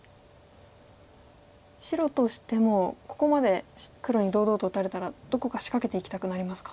白としてもここまで黒に堂々と打たれたらどこか仕掛けていきたくなりますか。